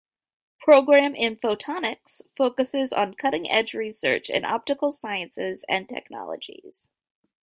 Program in Photonics focused on cutting-edge research in optical sciences and technologies.